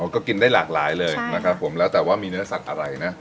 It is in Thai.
ก็กินได้หลากหลายเลยนะครับผมแล้วแต่ว่ามีเนื้อสัตว์อะไรนะ